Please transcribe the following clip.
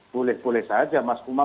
boleh boleh saja mas umam